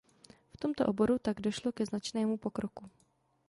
V tomto oboru tak došlo ke značnému pokroku.